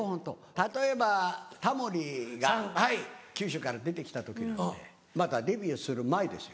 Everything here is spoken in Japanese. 例えばタモリが九州から出て来た時なんてまだデビューする前ですよ。